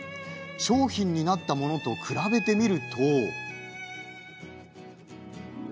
商品になったものと比べてみると。